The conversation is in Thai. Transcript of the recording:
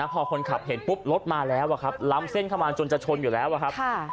พอคนขับเห็นปุ๊บรถมาแล้วครับล้ำเส้นเข้ามาจนจะชนอยู่แล้วครับ